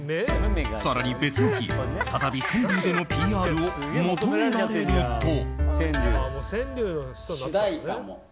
更に、別の日、再び川柳でのＰＲを求められると。